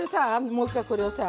もう一回これをさ。